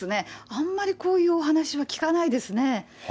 あんまりこういうお話は聞かないですね。